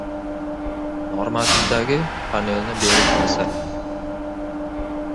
Normativdagi panelni berishmasa.